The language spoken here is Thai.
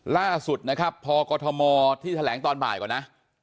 ล่าสุดนะครับพอกรทมที่แถลงตอนบ่ายก่อนนะ